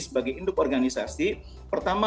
sebagai induk organisasi pertama